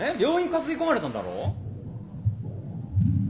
担ぎ込まれたんだろ？